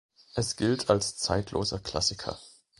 Es gilt als zeitloser Klassiker.